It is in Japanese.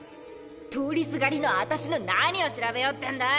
通りすがりのアタシの何を調べようってんだ？